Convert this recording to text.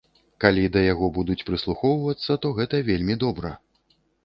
Калі да яго будуць прыслухоўвацца, то гэта вельмі добра.